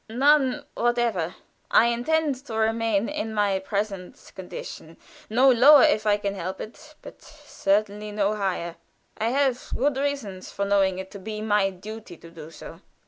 "None whatever. I intend to remain in my present condition no lower if I can help it, but certainly no higher. I have good reasons for knowing it to be my duty to do so."